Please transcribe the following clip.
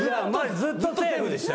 ずっとセーフでしたよ。